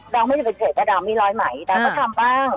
ดาวไม่เป็นเผ็ดถ้าดาวไม่ล้อยไหมแต่งั้นบ้าง